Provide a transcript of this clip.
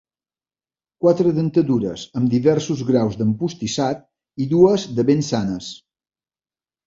Quatre dentadures amb diversos graus d'empostissat i dues de ben sanes.